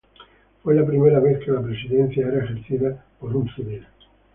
Fue la primera vez que la presidencia era ejercida por un militar.